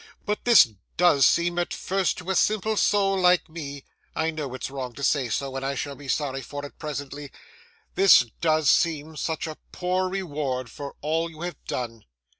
but this does seem at first to a simple soul like me I know it's wrong to say so, and I shall be sorry for it presently this does seem such a poor reward for all you have done.